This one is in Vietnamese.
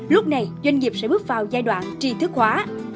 lúc này doanh nghiệp sẽ bước vào giai đoạn tri thức hóa